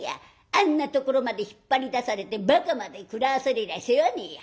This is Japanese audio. あんなところまで引っ張り出されてばかまで食らわされりゃ世話ねえや。